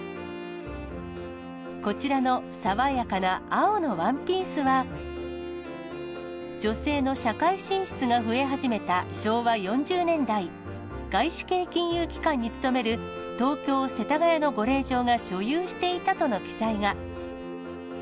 こちらの爽やかな青のワンピースは、女性の社会進出が増え始めた昭和４０年代、外資系金融機関に勤める、東京・世田谷のご令嬢が所有していたとの記載が。